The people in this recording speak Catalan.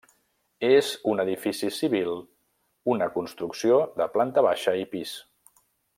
És un edifici civil, una construcció de planta baixa i pis.